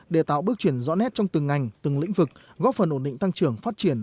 để tạo bước chuyển rõ nét trong từng ngành từng lĩnh vực góp phần ổn định tăng trưởng phát triển